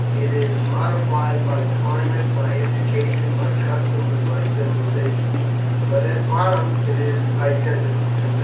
It is modified by climate, by education, by custom, and by civilization, but at bottom it is identical.